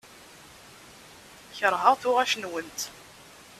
Keṛheɣ tuɣac-nwent.